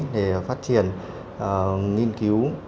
để phát triển nghiên cứu